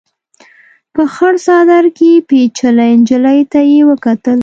په خړ څادر کې پيچلې نجلۍ ته يې وکتل.